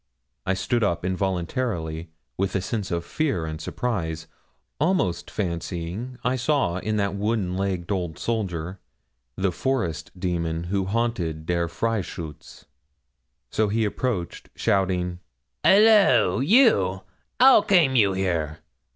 I stood up involuntarily with a sense of fear and surprise, almost fancying I saw in that wooden legged old soldier, the forest demon who haunted Der Freischütz. So he approached shouting 'Hollo! you how came you here?